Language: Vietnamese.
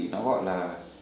nó gọi là